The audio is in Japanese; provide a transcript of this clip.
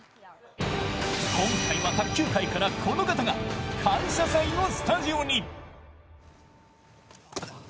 今回は卓球界からこの方が「感謝祭」のスタジオに。